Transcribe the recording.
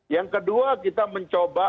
yang kedua kita mencoba